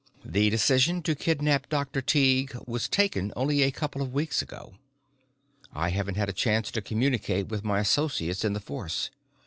"The decision to kidnap Dr. Tighe was taken only a couple of weeks ago. I haven't had a chance to communicate with my associates in the force.